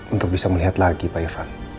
untuk bisa melihat lagi pak irfan